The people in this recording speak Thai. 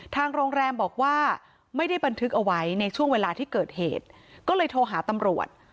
ทางโรงแรมบอกว่าไม่ได้บันทึกเอาไว้ในช่วงเวลาที่เกิดเหตุก็เลยโทรหาตำรวจ